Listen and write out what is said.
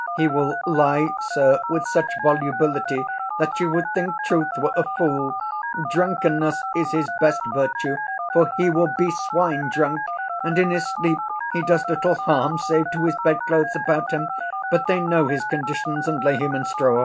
He will lie, sir, with such volubility that you would think truth were a fool: drunkenness is his best virtue, for he will be swine drunk, and in his sleep he does little harm, save to his bedclothes about him; but they know his conditions and lay him in straw.